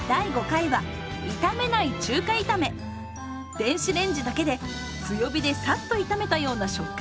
電子レンジだけで強火でさっと炒めたような食感に！